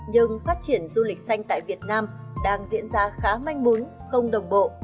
nhưng phát triển du lịch xanh tại việt nam đang diễn ra khá manh bún không đồng bộ